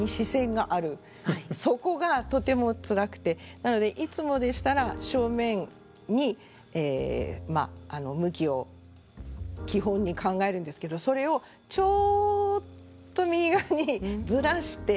なのでいつもでしたら正面に向きを基本に考えるんですけどそれをちょっと右側にずらして。